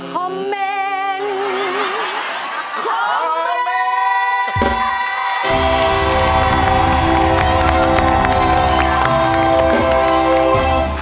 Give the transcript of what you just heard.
คอมเม้นท์